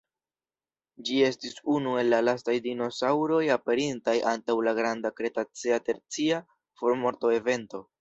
Ĝi estis unu el la lastaj dinosaŭroj aperintaj antaŭ la granda kretacea-tercia formorto-evento.